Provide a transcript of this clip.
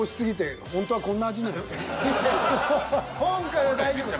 今回は大丈夫です。